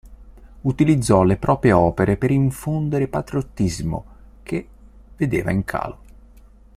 Utilizzò le proprie opere per infondere patriottismo, che vedeva in calo.